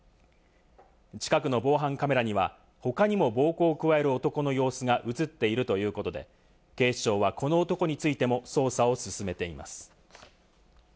近くの防犯カメラには、他にも暴行を加える男の様子が映っているということで、警視庁はこの男についても捜査を進めています。